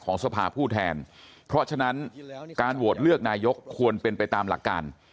สภาผู้แทนเพราะฉะนั้นการโหวตเลือกนายกควรเป็นไปตามหลักการ